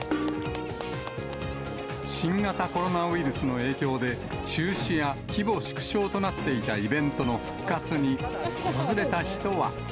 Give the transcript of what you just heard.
新型コロナウイルスの影響で、中止や規模縮小となっていたイベントの復活に、訪れた人は。